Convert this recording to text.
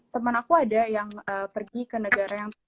teman aku ada yang pergi ke negara yang